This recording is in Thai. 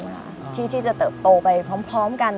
ที่จะเติบโตไปพร้อมกัน